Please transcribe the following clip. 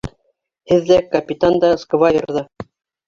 Һеҙ ҙә, капитан да, сквайр ҙа.